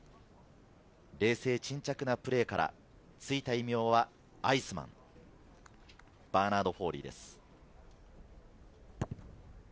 冷静沈着なプレーから、ついた異名はアイスマン、バーナード・フォーリーです。